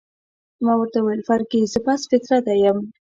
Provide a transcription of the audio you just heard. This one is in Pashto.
ما ورته وویل: فرګي، زه پست فطرته یم؟